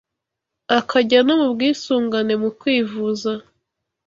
akajya no mu bwisungane mu kwivuza